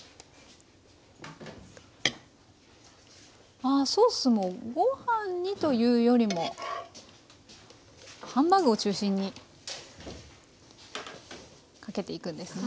あソースもご飯にというよりもハンバーグを中心にかけていくんですね。